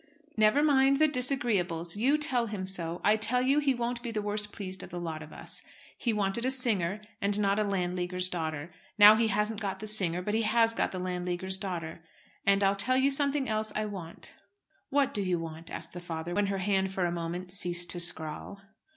"Never mind the disagreeables. You tell him so. I tell you he won't be the worst pleased of the lot of us. He wanted a singer, and not a Landleaguer's daughter; now he hasn't got the singer, but has got the Landleaguer's daughter. And I'll tell you something else I want " "What do you want?" asked the father, when her hand for a moment ceased to scrawl.